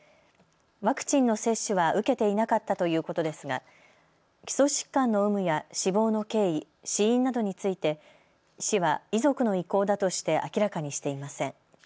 ワクチンの接種は受けていなかったということですが基礎疾患の有無や死亡の経緯、死因などについて市は遺族の意向だとして明らかにしていません。